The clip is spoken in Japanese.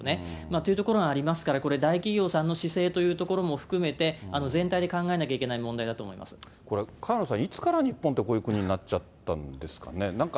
というところがありますから、これ、大企業さんの姿勢というところも含めて、全体で考えなきゃいけなこれ、いつから日本、こういう国になっちゃったんですかね。